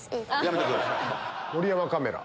盛山カメラ。